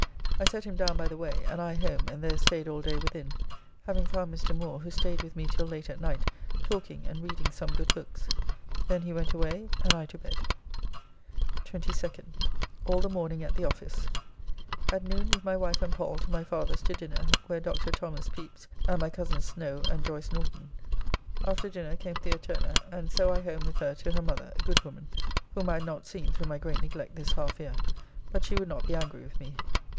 I set him down by the way, and I home and there staid all day within, having found Mr. Moore, who staid with me till late at night talking and reading some good books. Then he went away, and I to bed. 22nd. All the morning at the office. At noon with my wife and Pall to my father's to dinner, where Dr. Thos. Pepys and my coz Snow and Joyce Norton. After dinner came The. Turner, and so I home with her to her mother, good woman, whom I had not seen through my great neglect this half year, but she would not be angry with me.